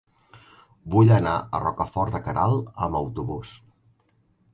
Vull anar a Rocafort de Queralt amb autobús.